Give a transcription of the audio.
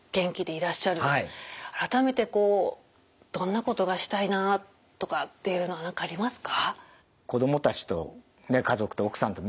改めてこうどんなことがしたいなとかっていうのは何かありますか？